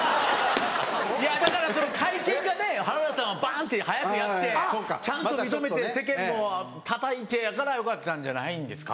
いやだから会見がね原田さんはバンって早くやってちゃんと認めて世間もたたいてやからよかったんじゃないんですか？